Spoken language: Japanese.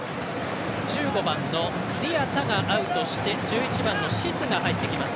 １５番、ディアタがアウトして１１番のシスが入ってきます。